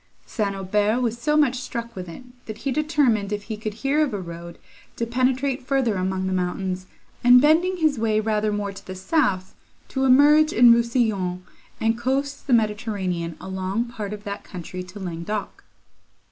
St. Aubert was so much struck with it, that he determined, if he could hear of a road, to penetrate further among the mountains, and, bending his way rather more to the south, to emerge into Rousillon, and coast the Mediterranean along part of that country to Languedoc.